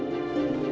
kenapa enggak nafas